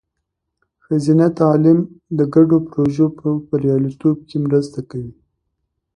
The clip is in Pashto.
ښځینه تعلیم د ګډو پروژو په بریالیتوب کې مرسته کوي.